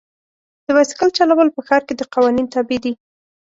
د بایسکل چلول په ښار کې د قوانین تابع دي.